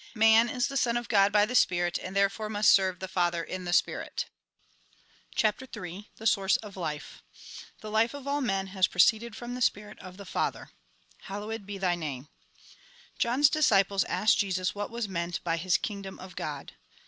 Man is the son of God by the spirit, and therefore must serve the Father in the spirit." CHAPTER III THE SOURCE OF LIFE The life of all men has proceeded from the spirit of the Father ("1ballowc& be Zh^ IRame") John's disciples asked Jesus what was meant by bis " Kingdom of God."